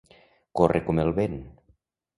Córrer com el vent.